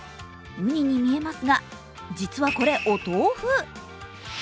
うにに見えますが、実はこれ、お豆腐。